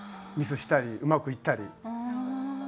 ミスしたりうまくいったり。